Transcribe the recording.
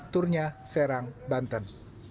turnya serang banten